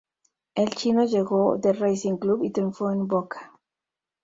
El Chino llegó de Racing Club y triunfó en Boca.